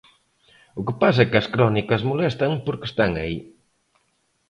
O que pasa é que as crónicas molestan porque están aí.